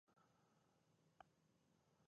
په سوېلي ویلز کې د مک ارتر ملګرو پر غاړه واخیست.